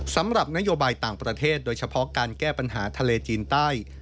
สำหรับนโยบายต่างประเทศโดยเฉพาะการแก้ปัญหาทะเลจีนใต้